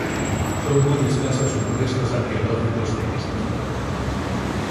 Son muy escasos los restos arqueológicos de estos territorios.